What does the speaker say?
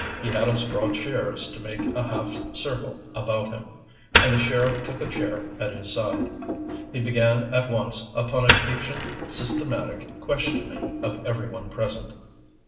He had us draw chairs to make a half circle about him, and the sheriff took a chair at his side. He began at once upon a patient, systematic questioning of every one present.